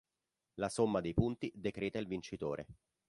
La somma dei punti decreta il vincitore.